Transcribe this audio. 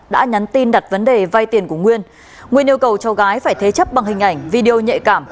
đã nhắn tin đặt vấn đề vai tiền của nguyên nguyên yêu cầu cháu gái phải thế chấp bằng hình ảnh video nhạy cảm